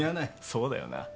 そうだよな。